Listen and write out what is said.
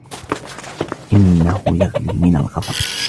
إنه يغلي من الغضب